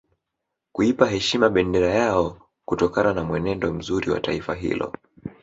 Kuipa heshima bendera yao kutokana na mwenendo mzuri wa taifa hilo